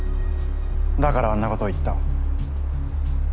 だからあんなことを言った。